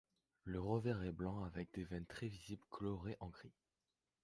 Le revers est blanc avec des veines très visibles colorées en gris.